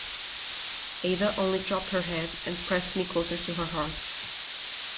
Ada only dropped her head and pressed me closer to her heart.